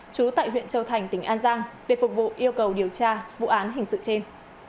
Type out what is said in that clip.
trú tại huyện châu thành tỉnh an giang để phục vụ yêu cầu điều tra vụ án hình sự trên